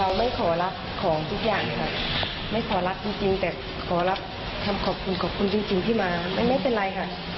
ถ้าเราไม่ขอรับของสิ่งทุกอย่างแต่ขอรับจำขอคุณขอคุณจริงที่มาไม่เป็นไรค่ะ